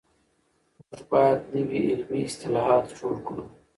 موږ بايد نوي علمي اصطلاحات جوړ کړو.